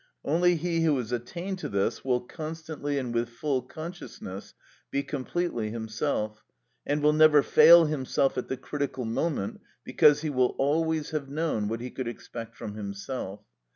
Only he who has attained to this will constantly and with full consciousness be completely himself, and will never fail himself at the critical moment, because he will always have known what he could expect from himself.